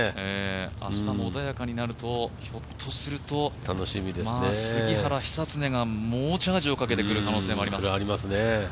明日も穏やかになるとひょっとすると杉原、久常が猛チャージをかけてくる可能性があります。